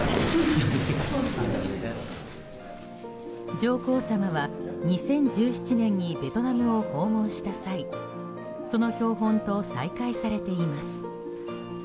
上皇さまは、２０１７年にベトナムを訪問した際その標本と再会されています。